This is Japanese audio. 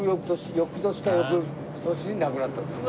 翌年か翌々年に亡くなったんですよ。